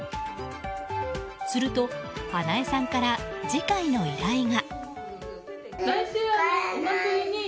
すると、英恵さんから次回の依頼が。